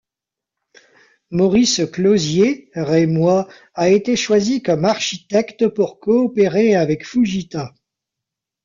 Maurice Clauzier, rémois, a été choisi comme architecte pour coopérer avec Foujita.